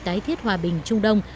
tái thiết hòa bình trung đông